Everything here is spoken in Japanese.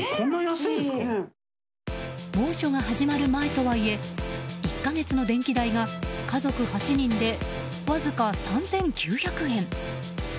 猛暑が始まる前とはいえ１か月の電気代が家族８人で、わずか３９００円。